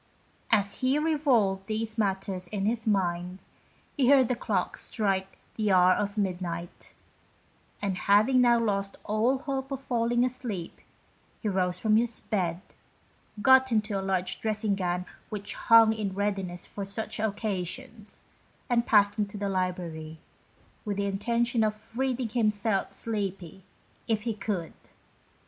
As he revolved these matters in his mind, he heard the clocks strike the hour of midnight, and having now lost all hope of falling asleep, he rose from his bed, got into a large dressing gown which hung in readiness for such occasions, and passed into the library, with the intention of reading himself sleepy, if he could.